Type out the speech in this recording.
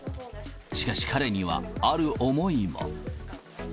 しかし彼には、ある思いも。